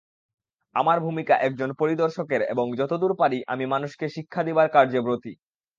আমার ভূমিকা একজন পরিদর্শকের এবং যতদূর পারি, আমি মানুষকে শিক্ষা দিবার কার্যে ব্রতী।